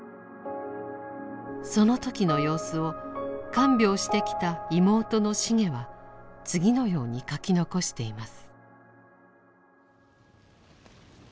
その時の様子を看病してきた妹のシゲは次のように書き残しています。